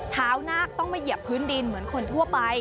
นาคต้องมาเหยียบพื้นดินเหมือนคนทั่วไป